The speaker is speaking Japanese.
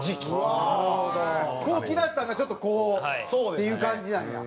こうきだしたんがちょっとこうっていう感じなんや。